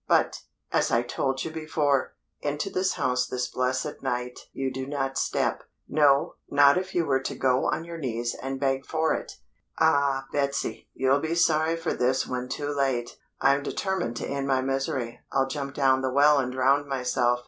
But, as I told you before, into this house this blessed night you do not step. No, not if you were to go on your knees and beg for it!" "Ah, Betsy. You'll be sorry for this when too late. I'm determined to end my misery. I'll jump down the well and drown myself.